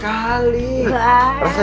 kan bikin teh opa ya